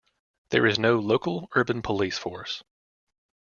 There is no local urban police force.